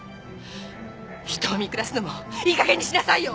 人を見下すのもいいかげんにしなさいよ！